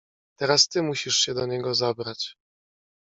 "Teraz ty musisz się do niego zabrać."